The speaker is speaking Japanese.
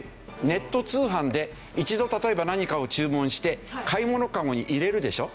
ネット通販で一度例えば何かを注文して買い物かごに入れるでしょ。